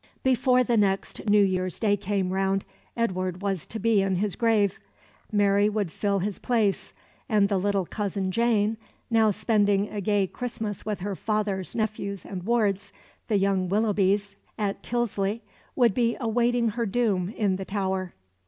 Before the next New Year's Day came round Edward was to be in his grave; Mary would fill his place; and the little cousin Jane, now spending a gay Christmas with her father's nephews and wards, the young Willoughbys, at Tylsey, would be awaiting her doom in the Tower.